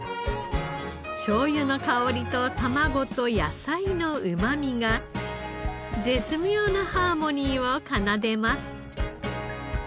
醤油の香りと卵と野菜のうまみが絶妙なハーモニーを奏でます。